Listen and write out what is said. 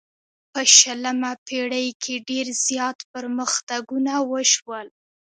په شلمه پیړۍ کې ډیر زیات پرمختګونه وشول.